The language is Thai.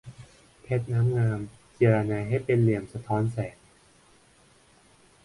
เพชรน้ำงาม เจียระไนให้เป็นเหลี่ยมสะท้อนแสง